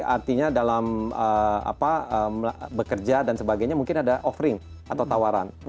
artinya dalam bekerja dan sebagainya mungkin ada offering atau tawaran